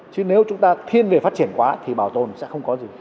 chứ nếu chúng ta thiên về phát triển quá thì bảo tồn sẽ không có gì